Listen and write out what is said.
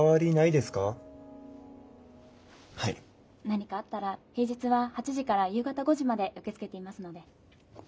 何かあったら平日は８時から夕方５時まで受け付けていますので。